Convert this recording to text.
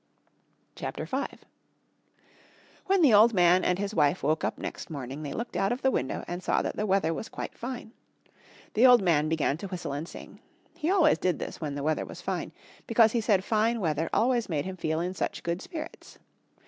CHAPTER V. When the old man and his wife woke up next morning they looked out of the window and saw that the weather was quite fine. The old man began to whistle and sing. He always did this when the weather was fine because he said fine weather always made him feel in such good spirits.